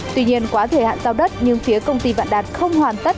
tuy nhiên quá thời hạn giao đất nhưng phía công ty vạn đạt không hoàn tất